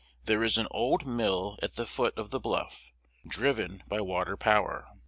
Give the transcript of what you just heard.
"There is an old mill at the foot of the bluff, driven by water power.